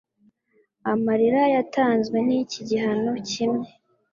amarira yatanzwe niki gihano kimwe